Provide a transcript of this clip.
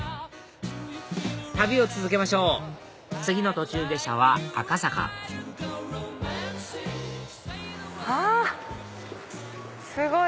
旅を続けましょう次の途中下車は赤坂あすごい！